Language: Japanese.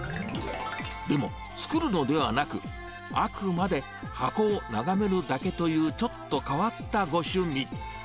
でも、作るのではなく、あくまで箱を眺めるだけという、ちょっと変わったご趣味。